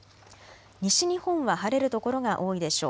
西日本は晴れる所が多いでしょう。